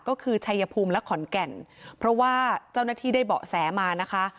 ก็คือชัยภูมิและขอนแก่นเพราะว่าเจ้าหน้าที่ได้เบาะแสมานะคะ